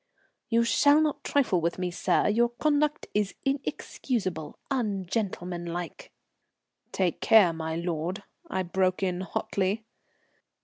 "You shall not trifle with me, sir. Your conduct is inexcusable, ungentlemanlike." "Take care, my lord," I broke in hotly.